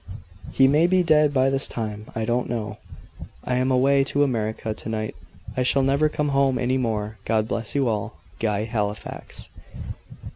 "He may be dead by this time. I don't know. "I am away to America to night. I shall never come home any more. God bless you all. "GUY HALIFAX.